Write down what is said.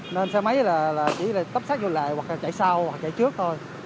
nên xe máy là chỉ tấp sát vô lệ hoặc là chạy sau hoặc chạy trước thôi